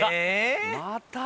また。